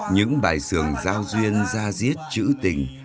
những bài sường giao duyên ra diết chữ tình